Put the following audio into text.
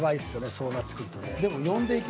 そうなってくるとね。